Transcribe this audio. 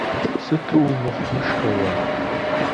Сыту умыхъумышхэ уэ.